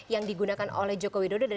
yang digunakan oleh jokowi dan pak jokowi